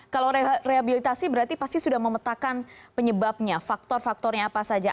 kalau rehabilitasi berarti pasti sudah memetakan penyebabnya faktor faktornya apa saja